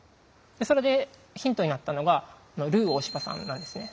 それでヒントになったのがルー大柴さんなんですね。